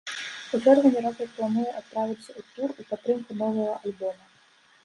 У чэрвені рокер плануе адправіцца ў тур у падтрымку новага альбома.